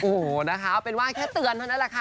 โอ้โหนะคะเอาเป็นว่าแค่เตือนเท่านั้นแหละค่ะ